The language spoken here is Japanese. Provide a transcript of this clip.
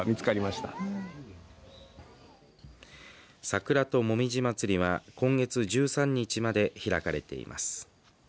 桜と紅葉まつりは今月１３日まで開かれています。